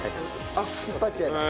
あっ引っ張っちゃうんだ。